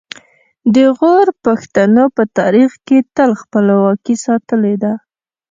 د غور پښتنو په تاریخ کې تل خپله خپلواکي ساتلې ده